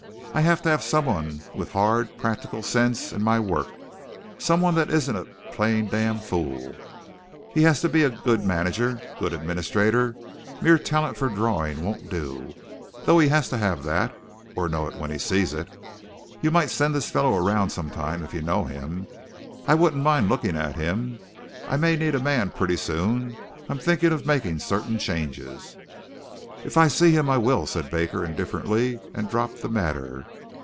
I have to have someone with hard, practical sense in my work. Someone that isn't a plain damn fool. He has to be a good manager a good administrator, mere talent for drawing won't do though he has to have that, or know it when he sees it. You might send this fellow around sometime if you know him. I wouldn't mind looking at him. I may need a man pretty soon. I'm thinking of making certain changes." "If I see him I will," said Baker indifferently and dropped the matter.